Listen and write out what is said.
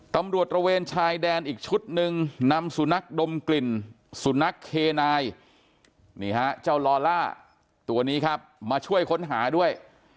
ตำรวจตระเวนชายแดนอีกชุดหนึ่งนำสุนัขดมกลิ่นสุนัขเคนายนี่ฮะเจ้าลอล่าตัวนี้ครับมาช่วยค้นหาด้วย